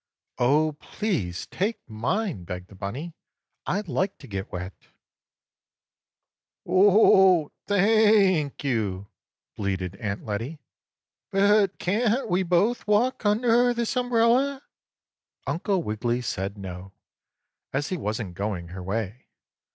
"Oh, please take mine!" begged the bunny. "I like to get wet!" 2. "Oh, thank you!" bleated Aunt Lettie. "But can't we both walk under this umbrella?" Uncle Wiggily said no, as he wasn't going her way.